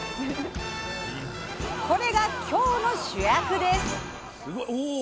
これが今日の主役です！